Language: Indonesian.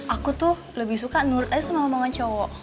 aku tuh lebih suka nurut aja sama omongan cowok